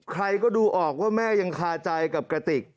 ใครก็ดูออกว่าแม่ยังคาใจกับกระติก